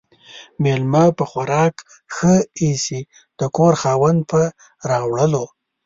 ميلمه په خوراک ِښه ايسي ، د کور خاوند ، په راوړلو.